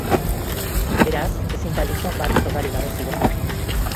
Beraz, ezin da gizon bat frogarik gabe zigortu.